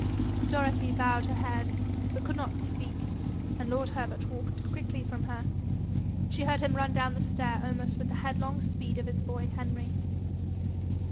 Dorothy bowed her head, but could not speak, and lord Herbert walked quickly from her. She heard him run down the stair almost with the headlong speed of his boy Henry.